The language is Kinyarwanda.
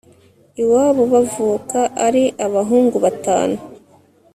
iwabo bavuka ari abahungu batanu